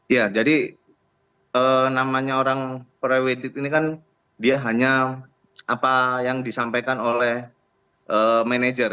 ya jadi namanya orang pre weddid ini kan dia hanya apa yang disampaikan oleh manajer